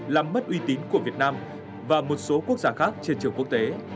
làm mất uy tín của việt nam và một số quốc gia khác trên trường quốc tế